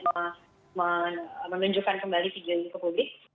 saya setuju untuk tidak menayangkan dan tidak menunjukkan kembali video ini ke publik